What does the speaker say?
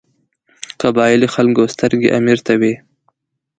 قبایلي خلکو سترګې امیر ته وې.